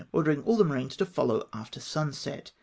ordering all the marines to follow after sunset.